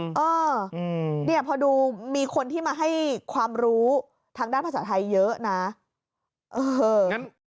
เออเนี่ยพอดูมีคนที่มาให้ความรู้ทางด้านภาษาไทยเยอะนะเอองั้น